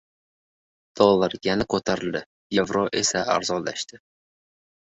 Dollar yana ko‘tarildi, yevro esa arzonlashdi